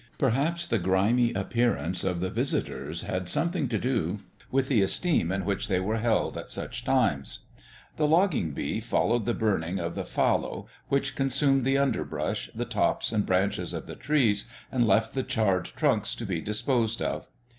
Perhaps the grimy appearance of the visitors had something to do with the esteem in which they were held at such times. The logging bee followed the burning of the fallow, which consumed the underbrush, the tops and branches of the trees, and left the charred trunks to be disposed of.